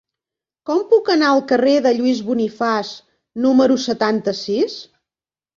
Com puc anar al carrer de Lluís Bonifaç número setanta-sis?